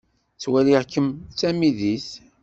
Ttwaliɣ-kem d tamidit.